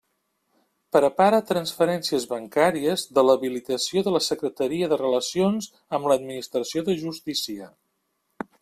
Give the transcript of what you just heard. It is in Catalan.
Prepara transferències bancàries de l'habilitació de la Secretaria de Relacions amb l'Administració de Justícia.